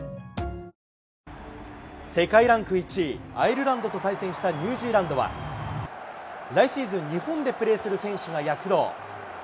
世界ランク１位、アイルランドと対戦したニュージーランドは、来シーズン、日本でプレーする選手が躍動。